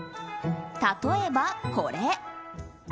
例えば、これ。